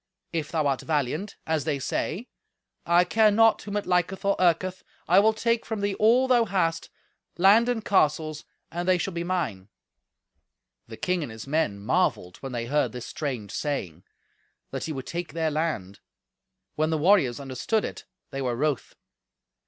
If thou art valiant, as they say, I care not whom it liketh or irketh, I will take from thee all thou hast, land and castles, and they shall be mine." The king and his men marvelled when they heard this strange saying, that he would take their land; when the warriors understood it they were wroth.